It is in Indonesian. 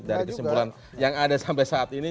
dari kesimpulan yang ada sampai saat ini